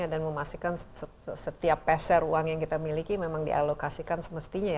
dan memastikan setiap peser uang yang kita miliki memang dialokasikan semestinya